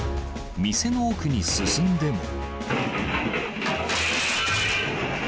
店の奥に進んでも。